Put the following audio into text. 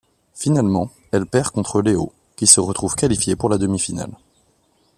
Finalement, elle perd contre Léo, qui se retrouve qualifié pour la demi-finale.